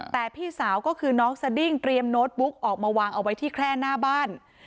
แต่พี่สาวก็คือน้องสดิ้งเตรียมโน้ตบุ๊กออกมาวางเอาไว้ที่แคร่หน้าบ้าน